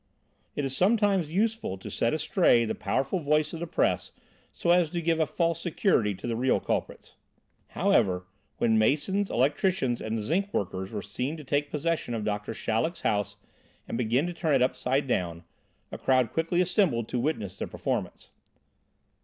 It is sometimes useful to set astray the powerful voice of the Press so as to give a false security to the real culprits. However, when masons, electricians and zinc workers were seen to take possession of Doctor Chaleck's house and begin to turn it upside down, a crowd quickly assembled to witness the performance.